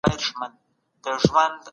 موږ کولای سو ستونزي په صبر حل کړو.